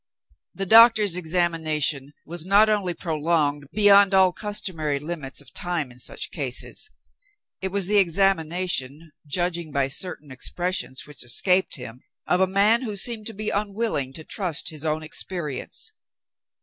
The doctor's examination was not only prolonged beyond all customary limits of time in such cases it was the examination (judging by certain expressions which escaped him) of a man who seemed to be unwilling to trust his own experience.